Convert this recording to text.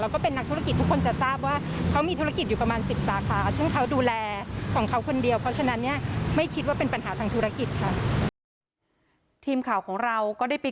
แล้วก็เป็นนักธุรกิจทุกคนจะทราบว่า